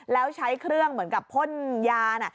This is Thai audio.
แล้วใช้เครื่องเหมือนกับพ่นยาน่ะ